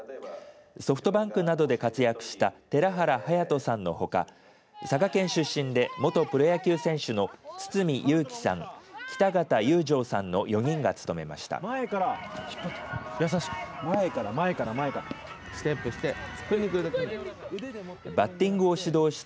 ソフトバンクなどで活躍した寺原隼人さんのほか佐賀県出身で元プロ野球選手の堤裕貴さん北方悠誠さんの４人が務めました。